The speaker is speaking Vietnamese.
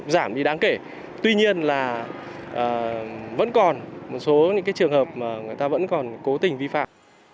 giảm đi đáng kể tuy nhiên là vẫn còn một số những trường hợp mà người ta vẫn còn cố tình vi phạm